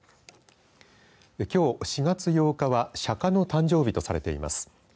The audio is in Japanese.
きょう４月８日は釈迦の誕生日とされています。